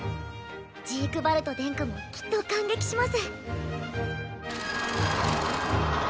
ジークヴァルト殿下もきっと感激します。